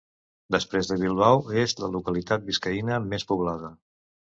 Després de Bilbao és la localitat biscaïna més poblada.